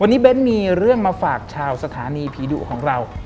วันนี้เบ้นมีเรื่องมาฝากชาวสถานีผีดุของเรา